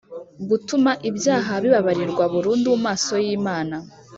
Gutuma ibyaha bibabarirwa burundu mu maso y imana